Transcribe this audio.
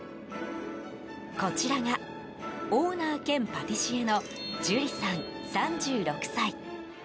こちらがオーナー兼パティシエのＪｕｌｉさん、３６歳。